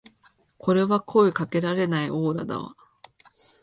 これは声かけられないオーラだわ